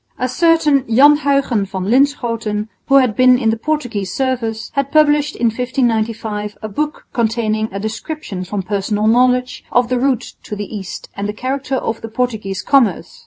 A certain Jan Huyghen van Linschoten, who had been in the Portuguese service, had published in 1595 a book containing a description from personal knowledge of the route to the East and the character of the Portuguese commerce.